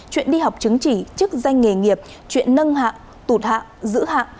chuyện đi học chứng chỉ chức danh nghề nghiệp chuyện nâng hạng tụt hạng giữ hạng